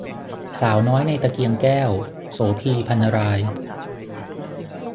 สาวน้อยในตะเกียงแก้ว - โสภี พรรณราย